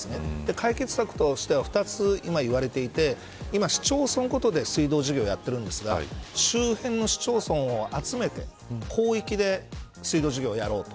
解決策としては２つ今いわれていて今、市町村ごとで水道事業、今はやっているんですが周辺の市町村を集めて広域で水道事業をやろうと。